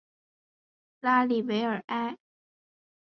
拉韦尔里埃。